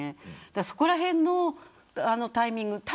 そこらへんのタイミングＪ